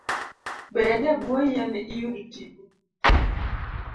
Bed e bwo yien iyud tipo